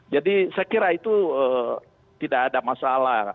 jadi saya kira itu tidak ada masalah